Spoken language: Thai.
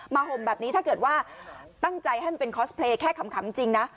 ห่มแบบนี้ถ้าเกิดว่าตั้งใจให้มันเป็นคอสเพลย์แค่ขำจริงนะ